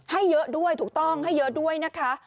ให้เยอะด้วยถูกต้องให้เยอะด้วยนะคะ